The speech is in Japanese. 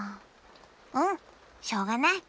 うんしょうがない。